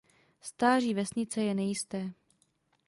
Stáří vesnice je nejisté.